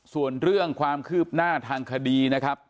ส่วนเรื่องความคืบหน้าทางคดีนะครับ